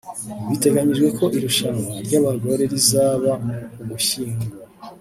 Biteganyijwe ko Irushanwa ry’abagore rizaba mu Ugushyingo